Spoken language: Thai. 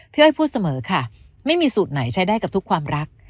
อ้อยพูดเสมอค่ะไม่มีสูตรไหนใช้ได้กับทุกความรัก